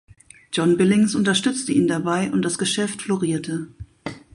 John Billings unterstützte ihn dabei und das Geschäft florierte.